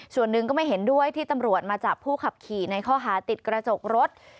ส่วนหนึ่งก็ไม่เห็นด้วยที่ตำรวจมาจับผู้ขับขี่ในข้อหาติดกระจกรถ